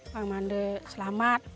pang mande selamat